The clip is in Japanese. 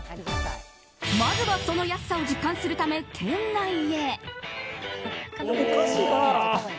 まずはその安さを実感するため店内へ。